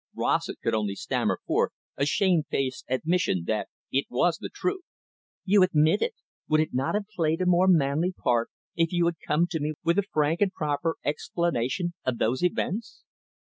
Rossett could only stammer forth a shamefaced admission that it was the truth. "You admit it. Would you not have played a more manly part, if you had come to me with a frank and proper explanation of those events?"